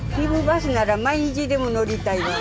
バスなら毎日でも乗りたいわ。